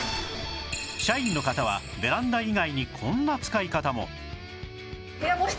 社員の方はベランダ以外にこんな使い方も